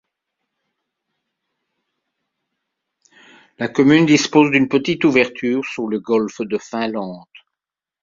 La commune dispose d’une petite ouverture sur le Golfe de Finlande.